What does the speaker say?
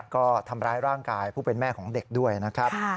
ก็ทำร้ายร่างกายผู้เป็นแม่ของเด็กด้วยนะครับ